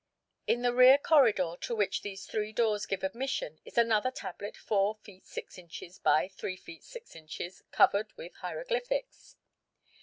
In the rear corridor to which these three doors give admission is another tablet 4 feet 6 inches by 3 feet 6 inches covered with hieroglyphics.